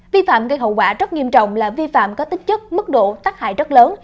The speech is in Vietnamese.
vi phạm gây hậu quả rất nghiêm trọng là vi phạm có tính chất mức độ tác hại rất lớn